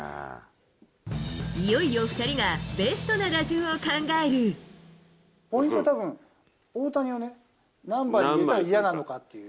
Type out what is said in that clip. いよいよ２人がベストな打順ポイントはたぶん、大谷をね、何番に入れたら嫌なのかっていう。